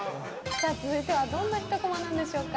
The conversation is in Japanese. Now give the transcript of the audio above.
・続いてはどんなひとコマなんでしょうか。